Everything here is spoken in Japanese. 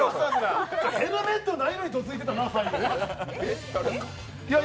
ヘルメットないのにどついてたな、さっき。